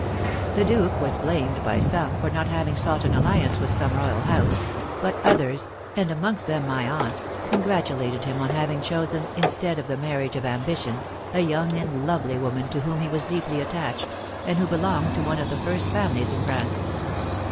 The duke was blamed by some for not having sought an alliance with some royal house, but others, and amongst them my aunt, congratulated him on having chosen, instead of a marriage of ambition, a young and lovely woman to whom he was deeply attached, and who belonged to one of the first families in France.